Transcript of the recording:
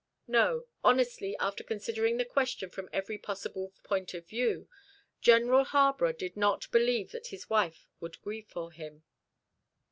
No, honestly, after considering the question from every possible point of view, General Harborough did not believe that his wife would grieve for him.